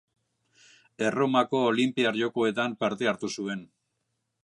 Erromako Olinpiar Jokoetan parte hartu zuen.